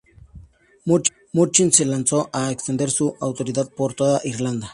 Muirchertach se lanzó a extender su autoridad por toda Irlanda.